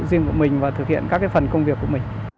riêng của mình và thực hiện các phần công việc của mình